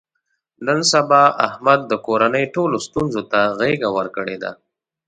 نن سبا احمد د کورنۍ ټولو ستونزو ته غېږه ورکړې ده.